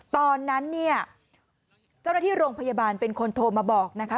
ตอนนั้นเนี่ยเจ้าหน้าที่โรงพยาบาลเป็นคนโทรมาบอกนะคะ